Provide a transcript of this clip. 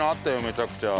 めちゃくちゃ。